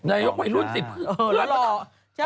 นายกว่ารุ้นสิครับโหแล้วขึ้นกระดำ